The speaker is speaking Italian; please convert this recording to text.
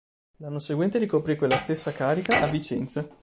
L'anno seguente ricoprì quella stessa carica a Vicenza.